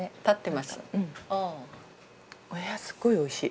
すごいおいしい。